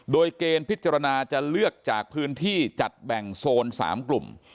โดยเกณฑ์พิจารณาจะเลือกจากพื้นที่จัดแบ่งโซน๓กลุ่ม